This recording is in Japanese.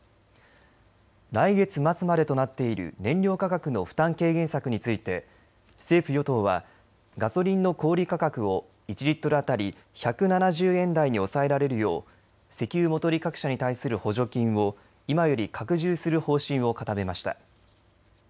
来月末までとなっている燃料価格の負担軽減策について政府、与党はガソリンの小売価格を１リットル当たり１７０円台に抑えられるよう石油元売各社に対する補助金を今より拡充する方針を固めました。